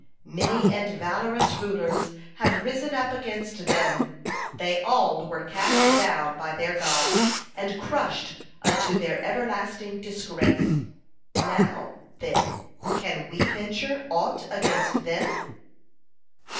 Many and valorous rulers have risen up against them, they all were cast down by their God and crushed unto their everlasting disgrace. Now, then, can we venture aught against them?"